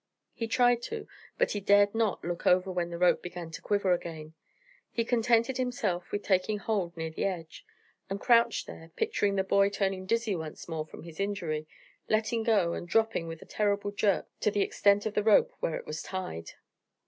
He tried to, but he dared not look over when the rope began to quiver again. He contented himself with taking hold near the edge, and crouched there, picturing the boy turning dizzy once more from his injury, letting go, and dropping with a terrible jerk to the extent of the rope where it was tied.